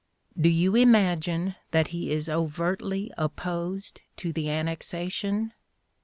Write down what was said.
Do you imagine that he is overtly opposed to the annexation?